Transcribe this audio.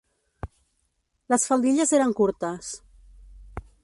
Les faldilles eren curtes.